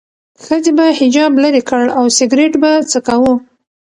ښځې به حجاب لرې کړ او سیګرټ به څکاوه.